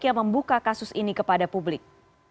yang membuka kasus ini kepada publik